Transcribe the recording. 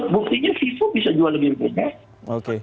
buktinya pipo bisa jual lebih mudah